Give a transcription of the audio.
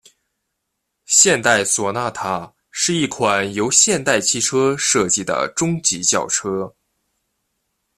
现代索纳塔是一款由现代汽车设计的中级轿车。